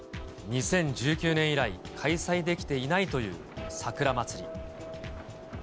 ２０１９年以来、開催できていないという桜まつり。